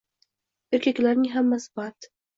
Erkaklarning hammasi band